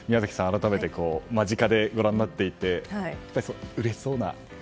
改めて間近でご覧になっていてうれしそうな？